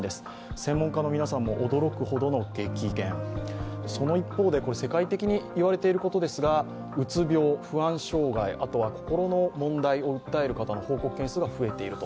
専門家の皆さんも驚くほどの激減その一方で、これは世界的に言われていることですが、うつ病、不安障害、あとは心の問題を訴える方の報告件数が増えていると。